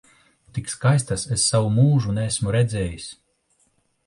Tik skaistas es savu mūžu neesmu redzējis!